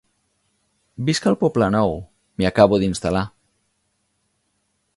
Visc al Poblenou. M'hi acabo d'instal·lar.